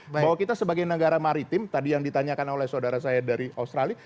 bahwa kita sebagai negara maritim tadi yang ditanyakan oleh saudara saya dari australia